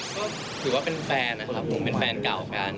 ก็ถือว่าเป็นแฟนนะครับผมเป็นแฟนเก่ากัน